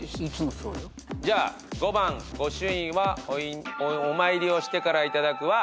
じゃあ５番御朱印はお参りをしてから頂くは。